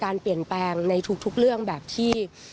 การเปลี่ยนแปลงในทุกเรื่องแบบที่